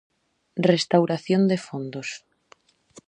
Restauración de fondos.